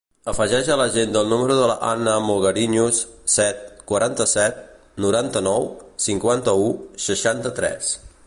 Afegeix a l'agenda el número de la Hanna Magariños: set, quaranta-set, noranta-nou, cinquanta-u, seixanta-tres.